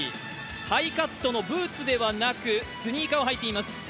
ハイカットのブーツではなくスニーカーを履いています。